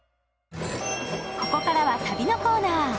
ここからは旅のコーナー。